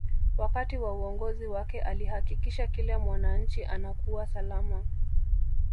wakati wa uongozi wake alihakikisha kila mwananchi anakuwa salama